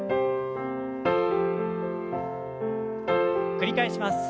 繰り返します。